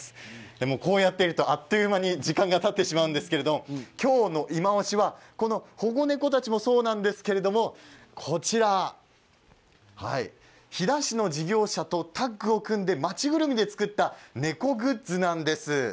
こうやっているとあっという間に時間がたってしまうんですけど今日のいまオシは保護猫たちもそうなんですけどこちら、東の事業者とタッグを組んで町ぐるみで作った猫グッズなんです。